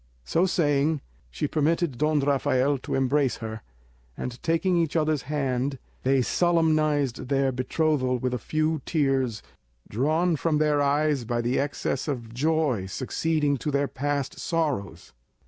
So saying, she permitted Don Rafael to embrace her, and taking each other's hand they solemnised their betrothal with a few tears drawn from their eyes by the excess of joy succeeding to their past sorrows.